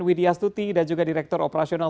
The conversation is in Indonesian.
widya stuti dan juga direktur operasional